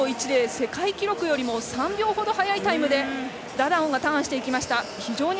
世界記録よりも３秒ほど速いタイムでダダオンがターンしました。